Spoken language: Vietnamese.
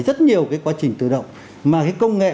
rất nhiều cái quá trình tự động mà cái công nghệ